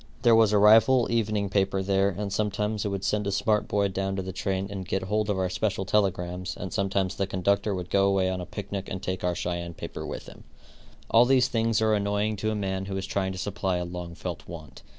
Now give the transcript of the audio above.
There was a rival evening paper there, and sometimes it would send a smart boy down to the train and get hold of our special telegrams, and sometimes the conductor would go away on a picnic and take our Cheyenne paper with him. All these things are annoying to a man who is trying to supply a long felt want.